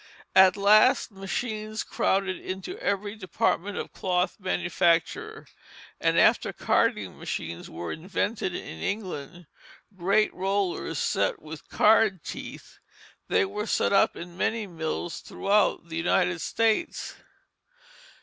At last machines crowded into every department of cloth manufacture; and after carding machines were invented in England great rollers set with card teeth they were set up in many mills throughout the United States.